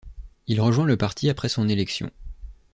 Il rejoint le parti après son élection.